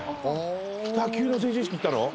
北九の成人式行ったの？